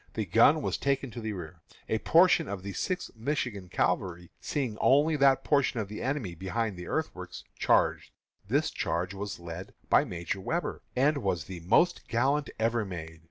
The gun was taken to the rear. A portion of the Sixth Michigan Cavalry, seeing only that portion of the enemy behind the earthworks, charged. This charge was led by Major Webber, and was the most gallant ever made.